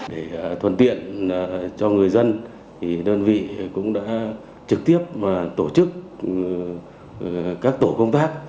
để thuận tiện cho người dân đơn vị cũng đã trực tiếp tổ chức các tổ công tác